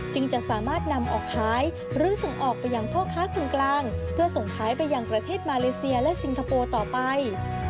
จะสามารถนำออกขายหรือส่งออกไปยังพ่อค้าคนกลางเพื่อส่งขายไปยังประเทศมาเลเซียและสิงคโปร์ต่อไป